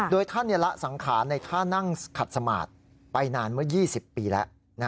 โดยท่านละสังขารในท่านั่งขัดสมาธิไปนานเมื่อ๒๐ปีแล้ว